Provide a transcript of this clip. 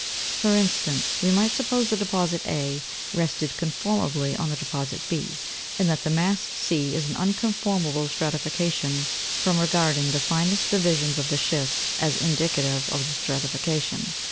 For instance, we might suppose, the deposit a, (fig* 302), rested conformably on the deposit b, and that the mass c is an unconformable stratification, from regarding the finest divisions of the schist as indicative of the stra 16.